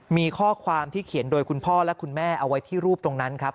มีข้อความที่เขียนโดยคุณพ่อและคุณแม่เอาไว้ที่รูปตรงนั้นครับ